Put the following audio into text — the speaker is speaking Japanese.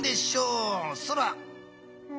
そら。